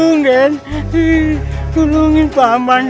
siapa sih untuk pembalikan